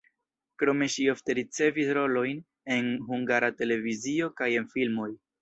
Krome ŝi ofte ricevis rolojn en Hungara Televizio kaj en filmoj.